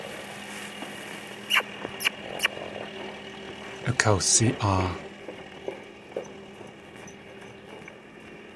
Akawsi.aa.